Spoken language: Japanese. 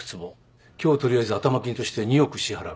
今日はとりあえず頭金として２億支払う。